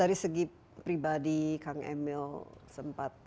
dari segi pribadi kang emil sempat